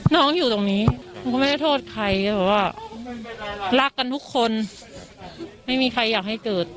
น้องอยู่ตรงนี้หนูก็ไม่ได้โทษใครแบบว่ารักกันทุกคนไม่มีใครอยากให้เกิด